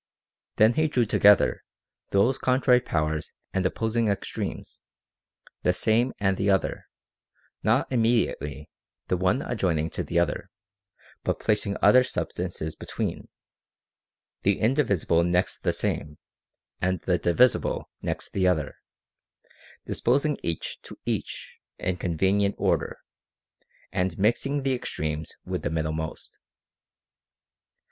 Then he drew together those contrary powers and opposing ex tremes, the Same and the Other, not immediately, the one adjoining to the other, but placing other substances be tween ; the indivisible next the Same, and the divisible next the Other, disposing each to each in convenient order, and mixing the extremes with the middlemost.